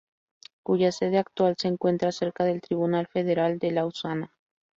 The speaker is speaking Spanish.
Cuya sede actual se encuentra cerca del Tribunal Federal de Lausana.